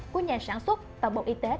của nhà sản xuất và bộ y tế